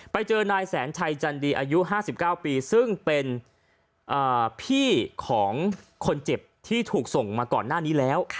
ไปเจอนายแสนชัยจันดีอายุ๕๙ปีซึ่งเป็นพี่ของคนเจ็บที่ถูกส่งมาก่อนหน้านี้แล้ว